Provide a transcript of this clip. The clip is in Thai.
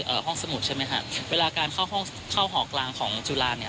ห้องสมุดใช่ไหมฮะเวลาการเข้าห้องเข้าหอกลางของจุฬาเนี้ย